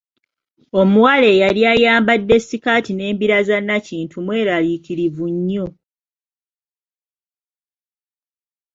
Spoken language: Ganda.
Omuwala eyali ayambade sikaati n'embira za Nakintu mweraliikirivu nnyo.